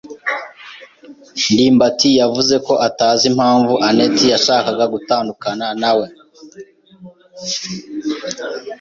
ndimbati yavuze ko atazi impamvu anet yashakaga gutandukana na we.